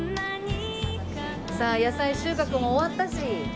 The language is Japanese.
さあ野菜収穫も終わったし。